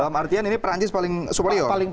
dalam artian ini perancis paling support